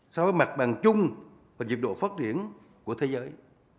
so với mặt bằng chung và nhiệm độ phát triển của thế giới